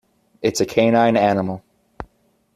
It's a canine animal.